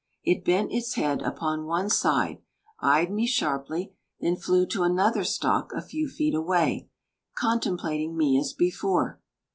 It bent its head upon one side, eyed me sharply, then flew to another stalk a few feet away, contemplating me as before.